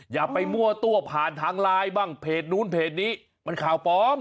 อย่าไปมั่วตัวผ่านทางไลน์บ้างเพจนู้นเพจนี้มันข่าวปลอม